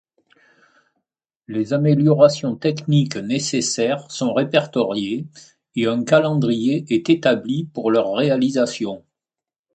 Les améliorations techniques nécessaires sont répertoriées et un calendrier est établi pour leur réalisation.